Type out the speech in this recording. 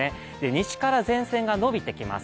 西から前線がのびてきます。